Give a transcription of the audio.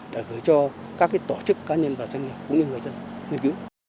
để gửi cho các tổ chức cá nhân và doanh nghiệp cũng như người dân nghiên cứu